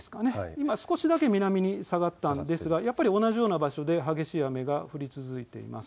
今少しだけ南に下がったんですがやっぱり同じような場所で激しい雨が降り続いてます。